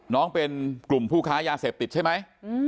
น้องเป็นกลุ่มผู้ค้ายาเสพติดใช่ไหม